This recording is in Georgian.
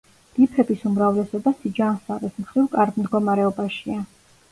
რიფების უმრავლესობა, სიჯანსაღის მხრივ, კარგ მდგომარეობაშია.